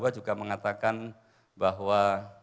juga mengatakan bahwa